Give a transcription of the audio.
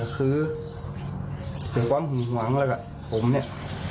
ก็คือถึงความหวังแล้วกับผมเนี่ย